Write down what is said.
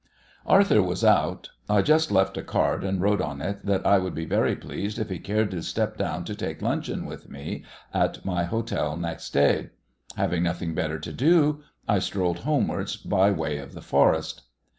Arthur was out; I just left a card and wrote on it that I would be very pleased if he cared to step down to take luncheon with me at my hotel next day. Having nothing better to do, I strolled homewards by way of the forest.